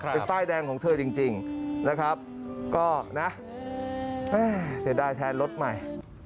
เป็นป้ายแดงของเธอจริงนะครับก็นะแม่เสียดายแทนรถใหม่